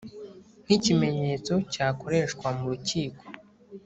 nk ikimenyetso cyakoreshwa mu rukiko